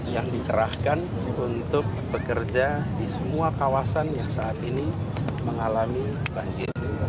yang dikerahkan untuk bekerja di semua kawasan yang saat ini mengalami banjir